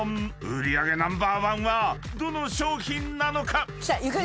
［売り上げナンバーワンはどの商品なのか？］